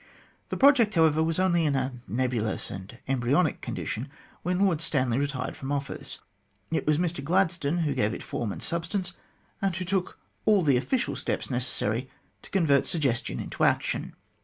The project, however, was only in a nebulous and embryonic condition when Lord Stanley retired from office. It was Mr Gladstone who gave it form and substance, and who took all the official steps necessary to convert suggestion into action.